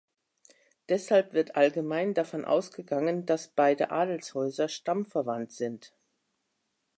Deshalb wird allgemein davon ausgegangen, dass beide Adelshäuser stammverwandt sind.